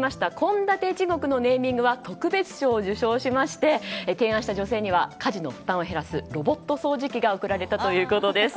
献立地獄のネーミングは特別賞を受賞しまして提案した女性には家事の負担を減らすロボット掃除機が贈られたということです。